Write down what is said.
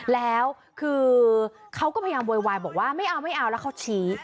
แล้วคือเขาก็พยายามโวยวายบอกว่าไม่เอาไม่เอาแล้วเขาชี้